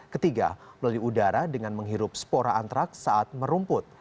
ketiga melalui udara dengan menghirup spora antraks saat merumput